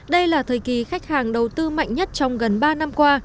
đây là thời kỳ khách hàng đầu tư mạnh nhất trong gần ba năm qua